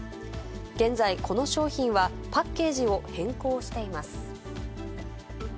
現在、この商品はパッケージを変更しています。